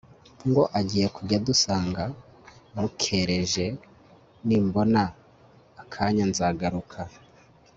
ngo agiye kujya udasanga mukereje nimbona akanya nzagaruka